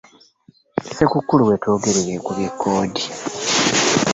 Ssekukkulu we twogerera ekubye kkoodi.